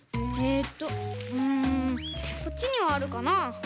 えっとうんこっちにはあるかな？